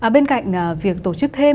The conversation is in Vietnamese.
bên cạnh việc tổ chức thêm